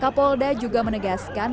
kapolda juga menegaskan